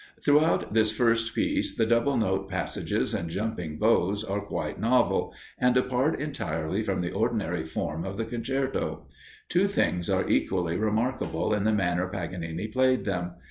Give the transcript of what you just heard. Throughout this first piece, the double note passages and jumping bowing are quite novel, and depart entirely from the ordinary form of the concerto. Two things are equally remarkable in the manner Paganini played them.